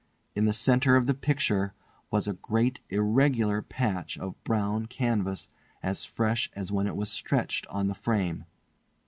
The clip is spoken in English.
In the centre of the picture was a great irregular patch of brown canvas, as fresh as when it was stretched on the frame.